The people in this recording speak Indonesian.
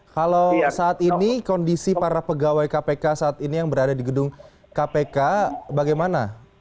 kalau saat ini kondisi para pegawai kpk saat ini yang berada di gedung kpk bagaimana